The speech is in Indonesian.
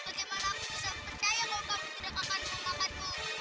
bagaimana aku bisa percaya kalau kamu tidak akan memakanku